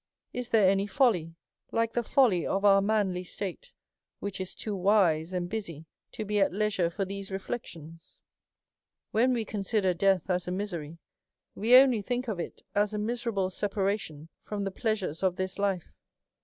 Is there any folly like the folly of our manly j state, which is too v/ise and busy to be at leisure for 1 these reflections? " When we consider death as a misery, we only think of it as a miserable separation from the plea sures of this life.